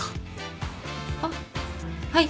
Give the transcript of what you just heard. あっはい。